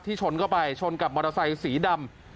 ชนเข้าไปชนกับมอเตอร์ไซค์สีดำ